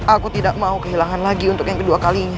aku tidak mau kehilangan lagi untuk yang kedua kalinya